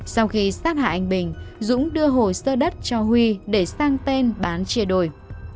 sau khi sát hạ anh bình dũng đưa hồ sơ đất cho huy để sang tên bán chia đồi